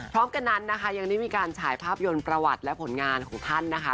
พร้อมกันนั้นนะคะยังได้มีการฉายภาพยนตร์ประวัติและผลงานของท่านนะคะ